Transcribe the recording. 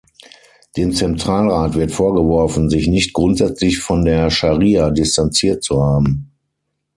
Dem Zentralrat wird vorgeworfen, sich nicht grundsätzlich von der Scharia distanziert zu haben.